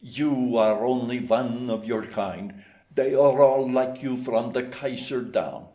You are only one of your kind they are all like you from the Kaiser down.